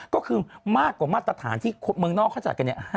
ก็คือมากกว่ามาตรฐานที่เมืองนอกเขาจัดกันเนี่ย